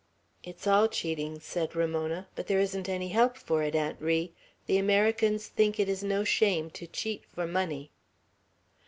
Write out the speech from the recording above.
"It's all cheating." said Ramona; "but there isn't any help for it, Aunt Ri. The Americans think it is no shame to cheat for money."